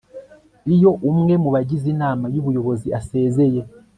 iyo umwe mu bagize inama y'ubuyobozi asezeye